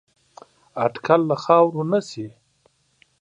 اټکل له خاورو نه شي